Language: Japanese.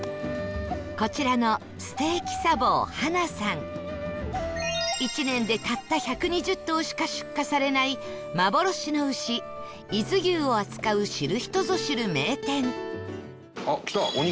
こちらの１年でたった１２０頭しか出荷されない幻の牛伊豆牛を扱う知る人ぞ知る名店きたお肉。